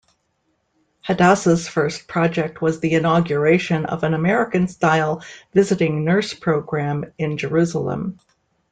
Hadassah's first project was the inauguration of an American-style visiting nurse program in Jerusalem.